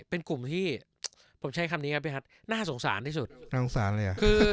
เป็นกลุ่มที่ผมใช้คำนี้ครับพี่ฮัทน่าสงสารที่สุดน่าสงสารเลยอ่ะ